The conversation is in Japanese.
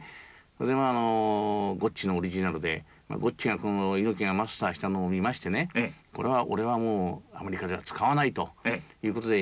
それで、ゴッチのオリジナルでゴッチが猪木がマスターしたのを見ましてこれは俺は、アメリカでは使わないということで